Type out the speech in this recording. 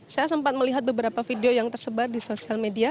saya sempat melihat beberapa video yang tersebar di sosial media